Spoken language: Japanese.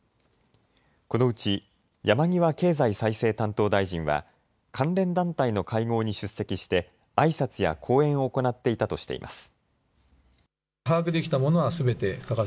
このうち山際経済再生担当大臣は関連団体の会合に出席してあいさつや講演を行っていたとしています。